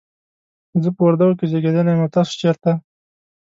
زه په وردګو کې زیږیدلی یم، او تاسو چیرته؟